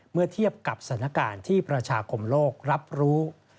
เมื่อเทียบกับสถานการณ์ที่ประชาคมโลกรับรู้